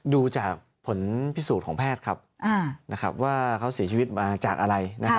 ดูจากผลพิสูจน์ของแพทย์ครับว่าเขาเสียชีวิตมาจากอะไร